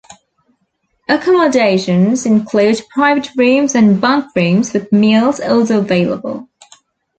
Accommodations include private rooms and bunkrooms, with meals also available.